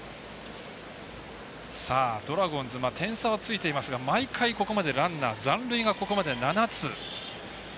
ドラゴンズ点差はついていますが毎回、ここまでランナー残塁がここまで７つ。